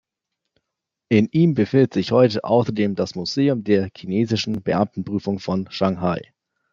In ihm befindet sich heute außerdem das Museum der Chinesischen Beamtenprüfung von Shanghai.